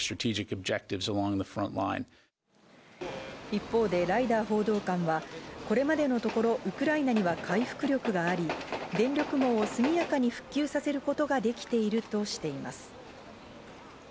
一方でライダー報道官はこれまでのところウクライナには回復力があり、電力網を速やかに復旧させることができているとしています。